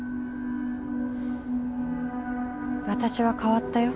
私は変わったよ。